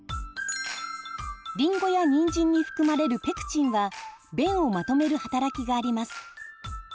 りんごやにんじんに含まれるペクチンは便をまとめる働きがあります。